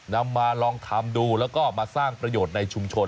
นำมาลองทำดูแล้วก็มาสร้างประโยชน์ในชุมชน